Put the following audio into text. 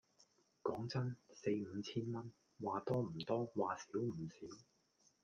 講真，四五千蚊，話多唔多話少唔少